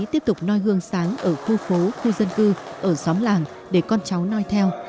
tiếp tục noi gương sáng ở khu phố khu dân cư ở xóm làng để con cháu noi theo